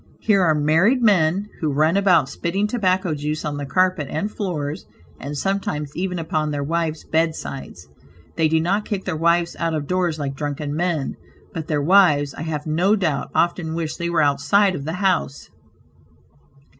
Here are married men who run about spitting tobacco juice on the carpet and floors, and sometimes even upon their wives besides. They do not kick their wives out of doors like drunken men, but their wives, I have no doubt, often wish they were outside of the house.